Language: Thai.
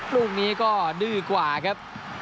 ลูกนี้ก็ดื้อกว่าครับ